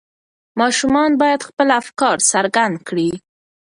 ماشومان باید خپل افکار څرګند کړي.